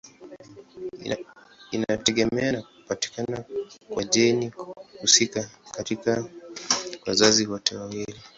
Inategemea na kupatikana kwa jeni husika katika wazazi wote wawili.